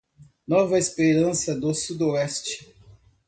Nova Esperança do Sudoeste